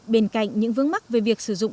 bên cạnh những vướng mắt về việc sử dụng